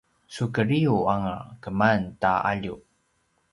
sukedriu anga keman ta alju